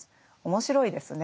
面白いですね。